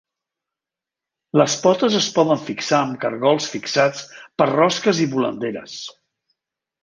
Les potes es poden fixar amb cargols fixats per rosques i volanderes.